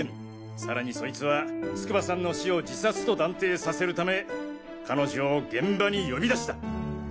さらにそいつは筑波さんの死を自殺と断定させるため彼女を現場に呼び出した。